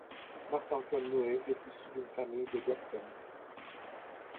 Marc-Antoine Noé est issu d'une famille de Gascogne.